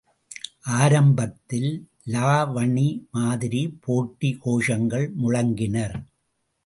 ஆரம்பத்தில், லாவணி மாதிரி போட்டி கோஷங்கள் முழங்கினர்.